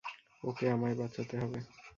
ওকে আমায় বাঁচাতে হবে।